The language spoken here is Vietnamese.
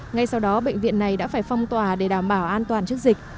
ngay sau đó bệnh viện này đã phải phong tỏa để đảm bảo an toàn trước dịch